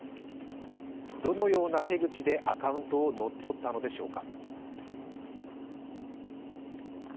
どのような手口でアカウントを乗っ取ったのでしょうか？